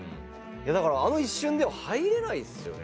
だからあの一瞬では入れないですよね。